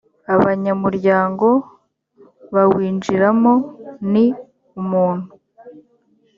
abanyamuryango bawinjiramo ni umuntu